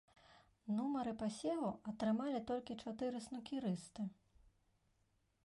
Нумары пасеву атрымалі толькі чатыры снукерысты.